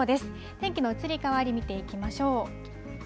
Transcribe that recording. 天気の移り変わり見ていきましょう。